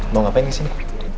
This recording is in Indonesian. mau ngapain kesini